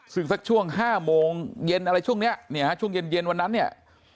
ซึ่งสักช่วง๕โมงเย็นในช่วงเย็นวันนั้นเนี่ย